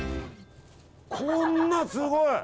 こんなすごい！